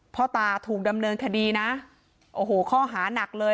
พ่อตาถูกดำเนินคดีนะโอ้โหข้อหานักเลย